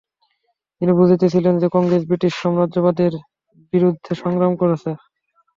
তিনি বুঝেছিলেন যে, কংগ্রেস ব্রিটিশ সাম্রাজ্যবাদের বিরম্নদ্ধে সংগ্রাম করছে।